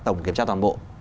tổng kiểm tra toàn bộ